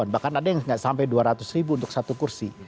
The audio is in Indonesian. bahkan ada yang sampai rp dua ratus untuk satu kursi